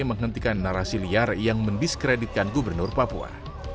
menghentikan narasi liar yang mendiskreditkan gubernur papua